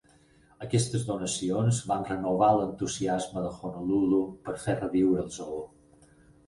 Aquestes donacions van renovar l'entusiasme de Honolulu per fer reviure el zoo.